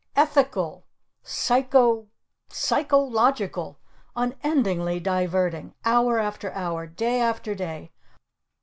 Eth ical! Psycho psycho logical! Unendingly diverting! Hour after hour! Day after day!